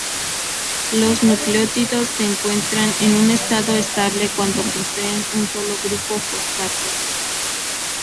Los nucleótidos se encuentran en un estado estable cuando poseen un solo grupo fosfato.